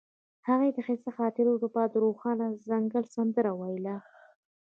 هغې د ښایسته خاطرو لپاره د روښانه ځنګل سندره ویله.